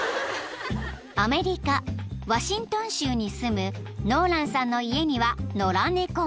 ［アメリカワシントン州に住むノーランさんの家には野良猫が］